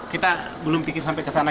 kita belum pikir sampai ke sana